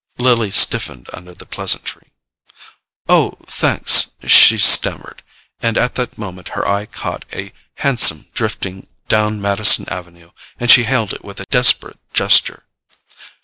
Lily stiffened under the pleasantry. "Oh, thanks," she stammered; and at that moment her eye caught a hansom drifting down Madison Avenue, and she hailed it with a desperate gesture.